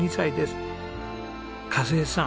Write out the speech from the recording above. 和枝さん